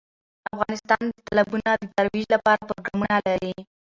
افغانستان د تالابونه د ترویج لپاره پروګرامونه لري.